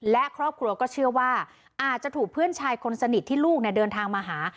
และครอบครัวก็เชื่อว่าอาจจะถูกเพื่อนชายคนสนิทที่ลูกเดินทางมาหา